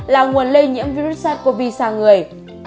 là nguồn lây nhiễm virus sars cov sang người